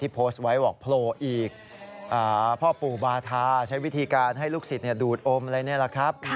พ่อปู่บาทาใช้วิธีการให้ลูกศิษย์ดูดอมเนี่ยแหละคับ